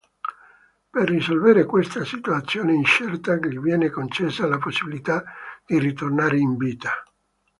Per risolvere questa situazione incerta, gli viene concessa la possibilità di ritornare in vita.